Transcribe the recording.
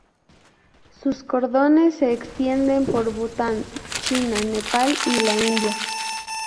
Sus cordones se extienden por Bután, China, Nepal, y la India.